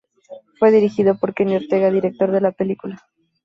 Fue dirigido por Kenny Ortega, director de la película.